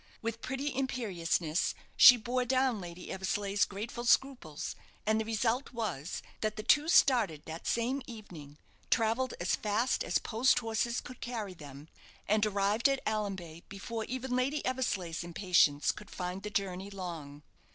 With pretty imperiousness she bore down Lady Eversleigh's grateful scruples, and the result was, that the two started that same evening, travelled as fast as post horses could carry them, and arrived at Allanbay before even Lady Eversleigh's impatience could find the journey long.